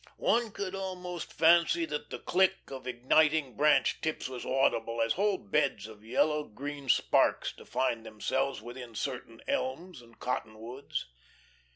One could almost fancy that the click of igniting branch tips was audible as whole beds of yellow green sparks defined themselves within certain elms and cottonwoods.